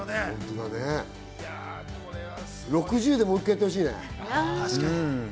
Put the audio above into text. ６０でもう１回やってほしいね。